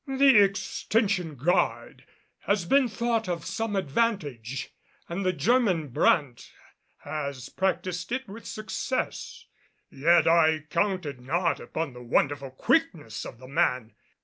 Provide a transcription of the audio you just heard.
The extension guard has been thought of some advantage and the German, Brandt, has practised it with success, yet I counted not upon the wonderful quickness of the man.